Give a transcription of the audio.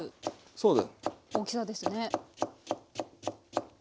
そうです